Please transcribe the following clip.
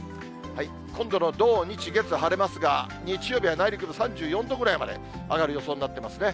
今度の土、日、月、晴れますが、日曜日は内陸部３４度ぐらいまで上がる予想になってますね。